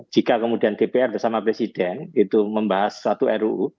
jika kemudian dpr bersama presiden itu membahas suatu ruu